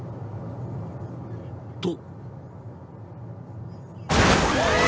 ［と］